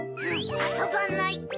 あそばない！